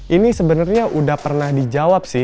ini sebenarnya udah pernah dijawab sih